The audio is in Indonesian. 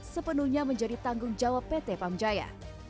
sepenuhnya menjadi tanggung jawab pt pam jaya